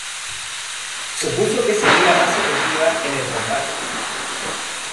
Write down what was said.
Supuso que sería más efectiva en el combate.